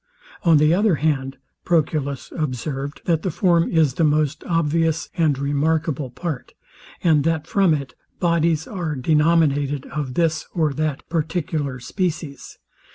On the other hand, Proculus observed, that the form is the most obvious and remarkable part, and that from it bodies are denominated of this or that particular species.